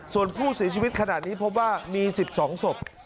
ส่วนผู้เสียชีวิตขนาดนี้พบว่ามี๑๒ศพ